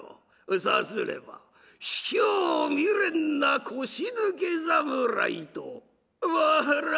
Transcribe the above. さすれば卑怯未練な腰抜け侍と笑って許してやる」。